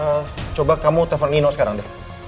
ehm coba kamu telepon nino sekarang deh